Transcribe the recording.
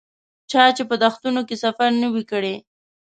چا چې په دښتونو کې سفر نه وي کړی.